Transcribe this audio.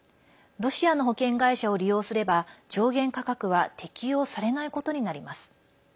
ロシアの保険会社を利用すれば上限価格は適用されないことになります。